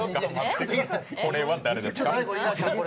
これは誰ですか？